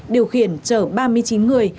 điều khiển chở ba mươi chín người